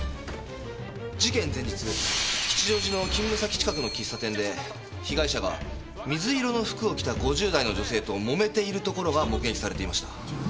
事件前日吉祥寺の勤務先近くの喫茶店で被害者が水色の服を着た５０代の女性ともめているところが目撃されていました。